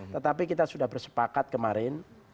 tetapi kita sudah bersepakat kemarin